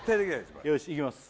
これよしいきます